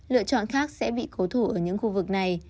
lựa chọn khác sẽ bị cố thủ ở những khu vực này